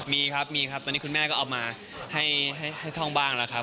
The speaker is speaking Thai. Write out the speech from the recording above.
มีครับมีครับตอนนี้คุณแม่ก็เอามาให้ท่องบ้างแล้วครับ